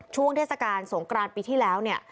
ช่วงเทศกาลสงครานปีที่แล้ว